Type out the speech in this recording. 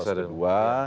pks ada di poros kedua